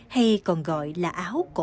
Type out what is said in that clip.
hay còn gọi là áo cổ